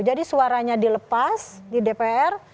jadi suaranya dilepas di dpr